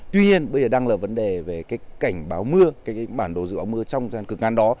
tuy nhiên bây giờ đang là vấn đề về cảnh báo mưa bản đồ dự báo mưa trong thời gian cực nặng đó